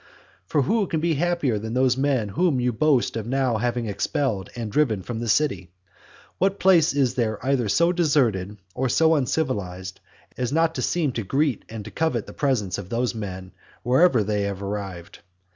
For who can be happier than those men whom you boast of having now expelled and driven from the city? What place is there either so deserted or so uncivilized, as not to seem to greet and to covet the presence of those men wherever they have arrived?